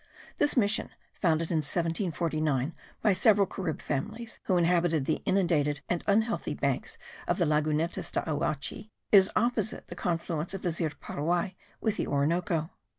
This mission, founded in 1749 by several Carib families who inhabited the inundated and unhealthy banks of the Lagunetas de Auache, is opposite the confluence of the Zir Puruay with the Orinoco.